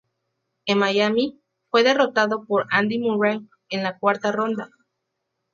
En Miami, fue derrotado por Andy Murray en la cuarta ronda.